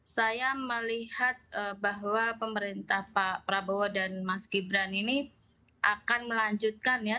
saya melihat bahwa pemerintah pak prabowo dan mas gibran ini akan melanjutkan ya